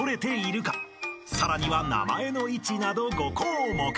［さらには名前の位置など５項目］